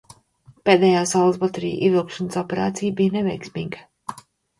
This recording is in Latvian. Pēdējā saules bateriju ievilkšanas operācija bija neveiksmīga.